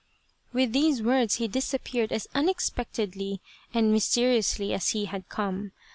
" With these words he disappeared as unexpectedly and mysteriously as he had come.